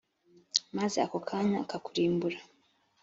maze ako kanya akakurimbura.